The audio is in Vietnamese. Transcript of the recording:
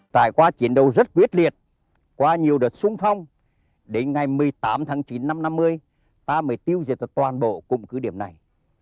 tại qua chiến đấu rất quyết liệt qua nhiều đợt sung phong đến ngày một mươi tám tháng chín năm một nghìn chín trăm năm mươi ta mới tiêu diệt toàn bộ cụm cứ điểm này